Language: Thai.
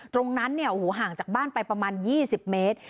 ตรงนั้นห่างจากบ้านไปประมาณ๒๐เมตร